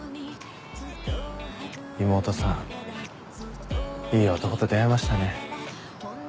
妹さんいい男と出会いましたね。